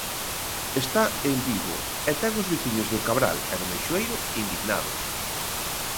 Está en Vigo e ten os veciños de Cabral e do Meixoeiro indignados.